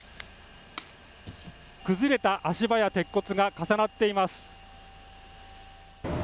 崩れた足場や鉄骨が重なっています。